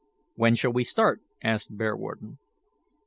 "When shall we start?" asked Bearwarden.